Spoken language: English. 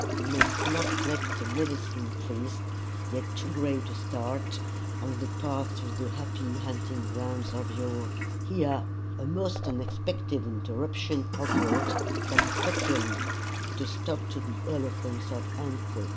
We must not let the medicine priest get too great a start on the path to the happy hunting grounds of your " Here, a most unexpected interruption occurred, that effectually put a stop to the eloquence of Ungque.